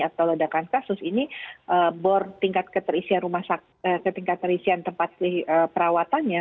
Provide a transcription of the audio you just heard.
atau ledakan kasus ini bor tingkat keterisian rumah sakit tingkat keterisian tempat perawatannya